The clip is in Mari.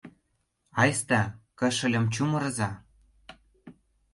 Айста, кышылым чумырыза!..